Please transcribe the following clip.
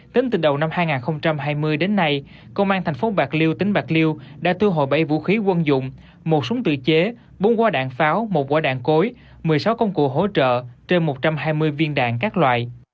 tính từ đầu năm hai nghìn hai mươi đến nay công an thành phố bạc liêu tỉnh bạc liêu đã thu hồi bảy vũ khí quân dụng một súng tự chế bốn quả đạn pháo một quả đạn cối một mươi sáu công cụ hỗ trợ trên một trăm hai mươi viên đạn các loại